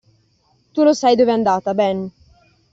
Tu lo sai dove è andata, Ben!